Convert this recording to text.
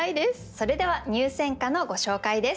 それでは入選歌のご紹介です。